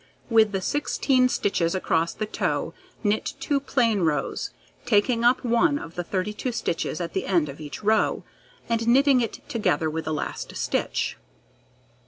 With the 16 stitches across the toe, knit 2 plain rows, taking up one of the 32 stitches at the end of each row, and knitting it together with the last stitch.